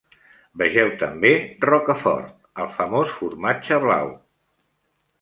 Vegeu també Roquefort, el famós formatge blau.